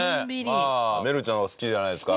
愛瑠ちゃんは好きじゃないですか？